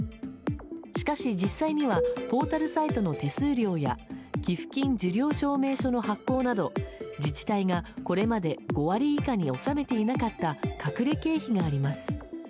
しかし、実際にはポータルサイトの手数料や寄付金受領証明書の発行など自治体が、これまで５割以下に収めていなかった隠れ経費があります。